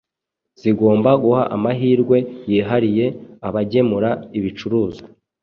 zigomba guha amahirwe yihariye abagemura ibicuruzwa